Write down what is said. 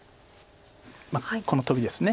このトビです。